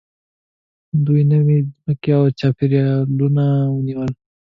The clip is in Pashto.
دوی نوې ځمکې او چاپېریالونه ونیول.